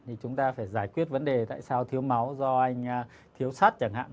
thì chúng ta phải giải quyết vấn đề tại sao thiếu máu do anh thiếu sát chẳng hạn